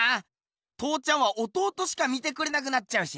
父ちゃんは弟しか見てくれなくなっちゃうしな。